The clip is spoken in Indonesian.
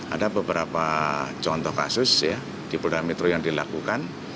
ada beberapa contoh kasus ya di polda metro yang dilakukan